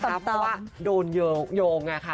เพราะว่าโดนโยงไงค่ะ